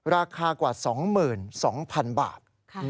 ราคากว่า๒๒๐๐๐บาท